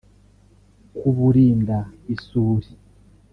kuburinda isuri